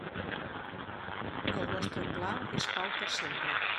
El nostre pla és pau per sempre.